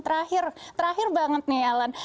terakhir terakhir banget nih ellen